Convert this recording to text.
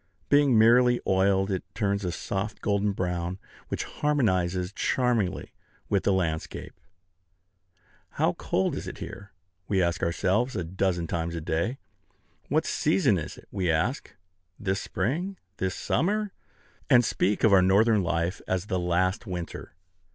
Being merely oiled, it turns a soft golden brown, which harmonizes charmingly with the landscape. How cold is it here? We ask ourselves, a dozen times a day, "What season is it?" We say, "This spring," "This summer," and speak of our Northern life as "last winter."